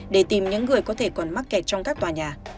để tìm những người có thể còn mắc kẹt trong các tòa nhà